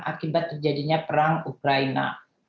akibat terjadinya perang ukraina